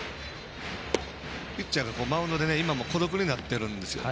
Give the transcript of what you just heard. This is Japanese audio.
ピッチャーがマウンドで孤独になってるんですよ。